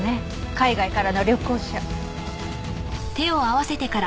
海外からの旅行者。